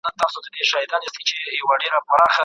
هغه څه چي لیکل سوي رښتیا نه دي.